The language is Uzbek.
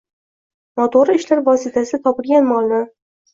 Noto‘g‘ri ishlar vositasida topilgan molni